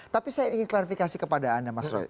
tapi saya ingin klarifikasi kepada anda mas roy